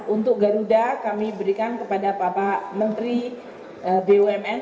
untuk garuda kami berikan kepada bapak menteri bumn